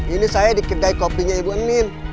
ini saya di kedai kopinya ibu enim